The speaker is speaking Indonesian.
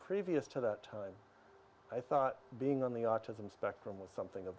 karena saya mengalami beberapa tantangan